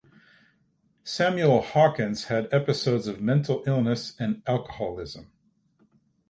Samuel Hawkins had episodes of mental illness and alcoholism.